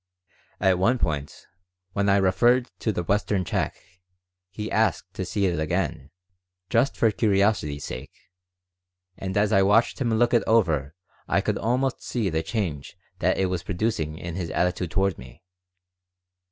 At one point, when I referred to the Western check, he asked to see it again, just for curiosity's sake, and as I watched him look it over I could almost see the change that it was producing in his attitude toward me.